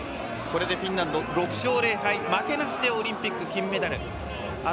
これでフィンランド６勝０敗、負けなしでオリンピック金メダル。